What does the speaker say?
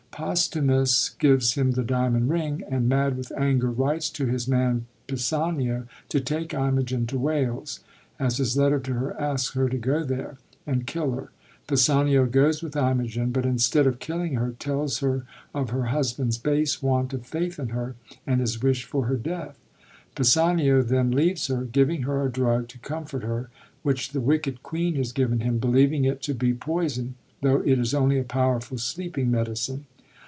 Posthumus gives him the diamond ring, and, mad with anger, writes to his man Pisanio to take Imogen to Wales— as his letter to her asks her to go there, — and kill her. Pisanio goes with Imogen, but, instead of killing her, tells her of her husband's base want of faith in her, and his wish for her death. Pisanio then leaves her, giving her a drug to comfort her, which the wicked queen has given him, believing it to be poison, tho' it is only a powerful sleeping medicine.